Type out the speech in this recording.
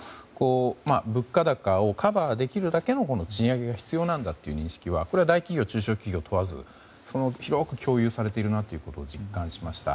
物価高をカバーできるだけの賃上げが必要なんだという認識は大企業、中小企業問わず広く共有されているなということを実感しました。